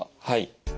はい。